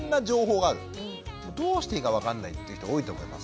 どうしていいか分かんないっていう人多いと思います。